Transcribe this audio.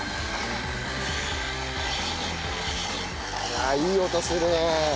ああいい音するね。